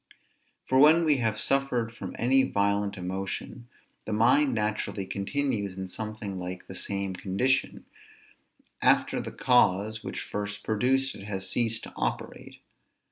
For when we have suffered from any violent emotion, the mind naturally continues in something like the same condition, after the cause which first produced it has ceased to operate.